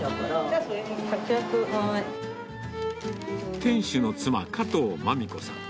店主の妻、加藤麻美子さん。